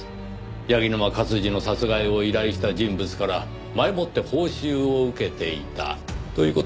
柳沼勝治の殺害を依頼した人物から前もって報酬を受けていたという事も考えられます。